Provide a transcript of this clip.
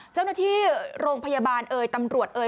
เจ้าหน้าที่โรงพยาบาลเอ่ยตำรวจเอ่ย